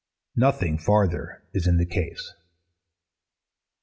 Nothing farther is in the case.